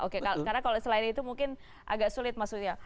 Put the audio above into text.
karena kalau selain itu mungkin agak sulit maksudnya